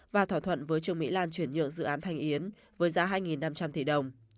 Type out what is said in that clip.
và thỏa thuận với trương mỹ lan chuyển nhượng dự án thành yến với giá hai năm trăm linh tỷ đồng